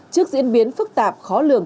trước diễn biến phức tạp khó lường